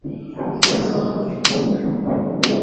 Mtoto wangu ni mzuri